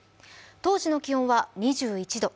当時の気温は２１度。